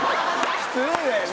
失礼だよね？